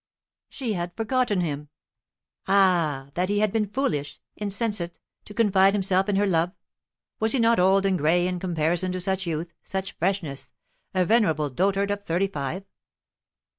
"She had forgotten him. Ah, that he had been foolish insensate to confide himself in her love! Was he not old and grey in comparison to such youth such freshness a venerable dotard of thirty five?